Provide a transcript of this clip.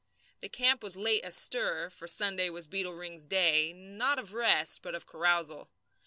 The camp was late astir, for Sunday was Beetle Ring's day not of rest, but of carousal.